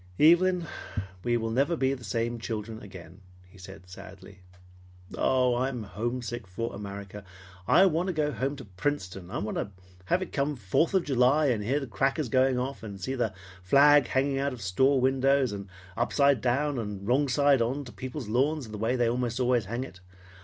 "Evelyn, we will never be the same children again," he said sadly. "Oh, I'm homesick for America! I want to go home to Princeton. I want to have it come Fourth of July and hear the crackers go off and see the flag hanging out of store windows, and upside down and wrong side to on people's lawns the way they most always hang it.